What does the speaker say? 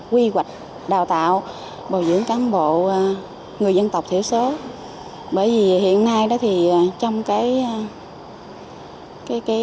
quy hoạch đào tạo bồi dưỡng cán bộ người dân tộc thiểu số bởi vì hiện nay đó thì trong cái